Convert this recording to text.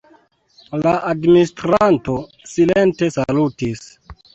La administranto silente salutis.